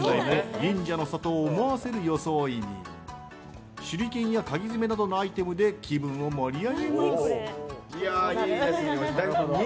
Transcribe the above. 忍者の里を思わせる装いに手裏剣やかぎづめなどのアイテムで気分を盛り上げます。